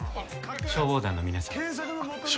消防団の皆さんです。